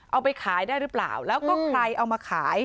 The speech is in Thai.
เอาไปขายได้หรือเปล่าแล้วก็ใครเอามาขาย